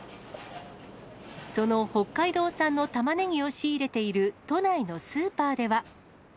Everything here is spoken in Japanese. その北海道産のタマネギを仕入れている都内のスーパーでは。